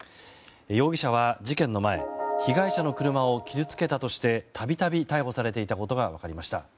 容疑者は、事件の前被害者の車を傷つけたとして度々、逮捕されていたことが分かりました。